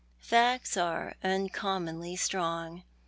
Facts are uncommonly strong.